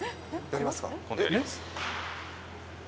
やりますか？